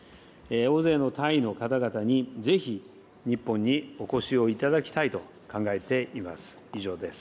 大勢のタイの方々にぜひ日本にお越しをいただきたいと考えています。